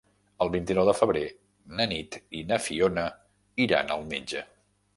El vint-i-nou de febrer na Nit i na Fiona iran al metge.